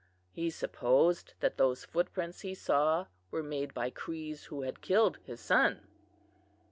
He supposed that those footprints he saw were made by Crees who had killed his son."